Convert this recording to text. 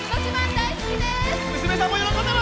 大好きです！